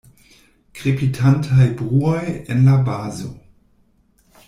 Krepitantaj bruoj en la bazo.